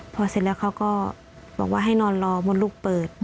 พอเสร็จแล้วเขาก็บอกว่าให้นอนรอบนลูกเปิด